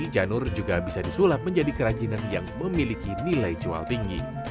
janur juga bisa disulap menjadi kerajinan yang memiliki nilai jual tinggi